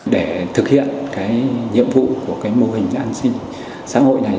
để thực hiện cái nhiệm vụ của cái mô hình an sinh xã hội này